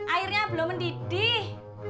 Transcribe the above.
airnya belum mendidih